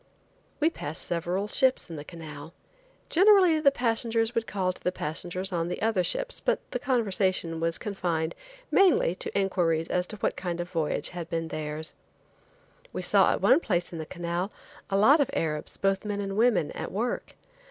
We passed several ships in the canal. Generally the passengers would call to the passengers on the other ships, but the conversation was confined mainly to inquiries as to what kind of a voyage had been theirs. We saw at one place in the canal, a lot of Arabs, both men and women, at work.